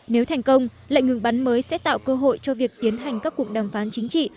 nếu thành công lệnh ngừng bắn mới sẽ tạo cơ hội cho việc tiến hành các cuộc đàm phán chính trị